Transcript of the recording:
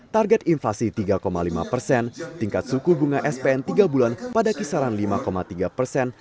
target inflasi tiga lima persen tingkat suku bunga spn tiga bulan pada kisaran lima tiga persen